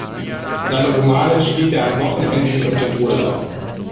Seine Romane schrieb er an Wochenenden und im Urlaub.